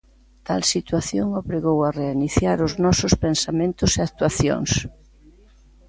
Tal situación obrigou a reiniciar os nosos pensamentos e actuacións.